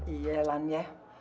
iya lan ya